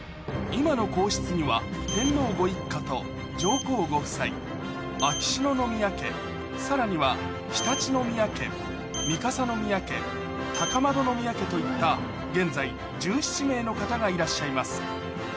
今の皇室には天皇ご一家と上皇ご夫妻秋篠宮家さらには常陸宮家三笠宮家高円宮家といった現在１７名の方がいらっしゃいます